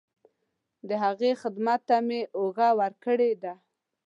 د هغې خدمت ته مې اوږه ورکړې ده.